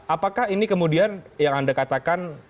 apakah ini kemudian yang anda katakan